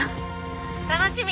☎楽しみ！